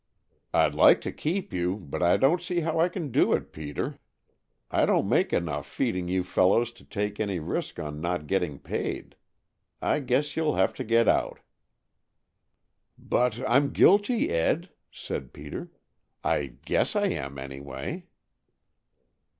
I'd like to keep you, but I don't see how I can do it, Peter. I don't make enough feeding you fellows to take any risk on not getting paid. I guess you'll have to get out." "But I'm guilty, Ed," said Peter. "I guess I am, anyway."